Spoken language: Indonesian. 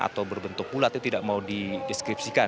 atau berbentuk bulat yang tidak mau dideskripsikan